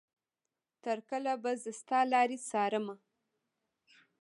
تر کله به زه ستا لارې څارنه.